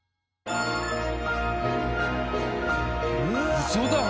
ウソだろ？